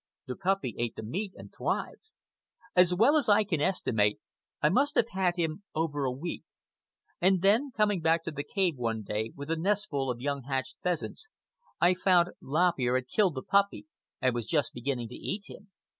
The puppy ate the meat and thrived. As well as I can estimate, I must have had him over a week. And then, coming back to the cave one day with a nestful of young hatched pheasants, I found Lop Ear had killed the puppy and was just beginning to eat him.